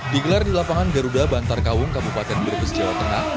di gelar di lapangan geruda bantar kawung kabupaten berbes jawa tengah